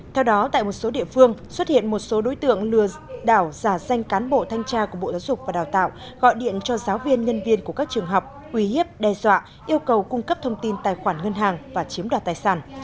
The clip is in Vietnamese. theo đó tại một số địa phương xuất hiện một số đối tượng lừa đảo giả danh cán bộ thanh tra của bộ giáo dục và đào tạo gọi điện cho giáo viên nhân viên của các trường học uy hiếp đe dọa yêu cầu cung cấp thông tin tài khoản ngân hàng và chiếm đoạt tài sản